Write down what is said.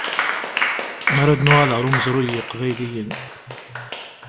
Mi ara d-nuɣal ɣer umezruy n yiqbayliyen.